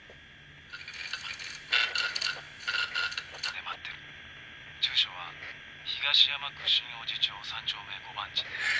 「で待ってる」「住所は東山区新大路町３丁目５番地で」